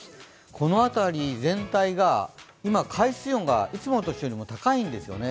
この辺り全体が今、海水温がいつもの年よりも高いんですよね。